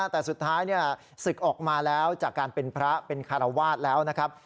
แต่สุดท้ายศึกออกมาแล้วจากการเป็นพระเป็นคารวาสแล้วนะครับ